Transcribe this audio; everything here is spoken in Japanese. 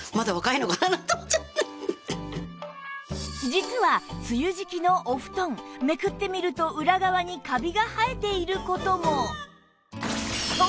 実は梅雨時季のお布団めくってみると裏側にカビが生えている事も